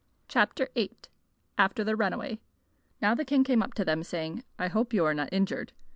Chapter VIII After the Runaway NOW the king came up to them, saying: "I hope you are not injured."